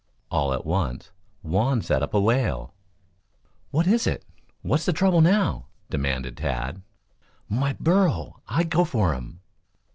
All at once Juan set up a wail. "What is it what's the trouble now?" demanded Tad. "My burro. I go for him."